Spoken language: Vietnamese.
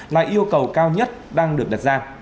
là yêu cầu cao nhất đang được đặt ra